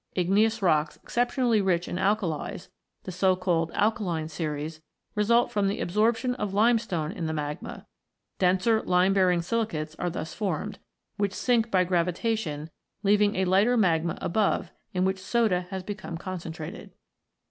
Igneous rocks exceptionally rich in alkalies, the so called "alkaline" series, result from the absorption of limestone in the magma ; denser lime bearing silicates are thus formed, which sink by gravitation, leaving a lighter magma above in which soda has become concentrated.